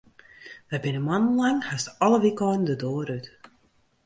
Wy binne moannen lang hast alle wykeinen de doar út.